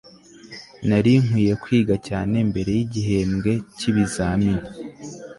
nari nkwiye kwiga cyane mbere yigihembwe cyibizamini